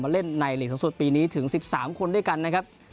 เล่นในหลีกสูงสุดปีนี้ถึง๑๓คนด้วยกันนะครับ